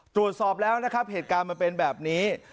ตรวจสอบแล้วนะครับเหตุการณ์มันเป็นแบบนี้